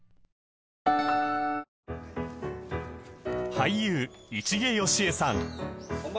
俳優市毛良枝さん